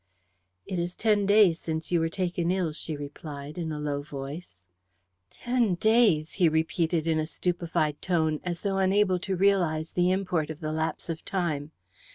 "It is ten days since you were taken ill," she replied, in a low voice. "Ten days!" he repeated in a stupefied tone, as though unable to realize the import of the lapse of time.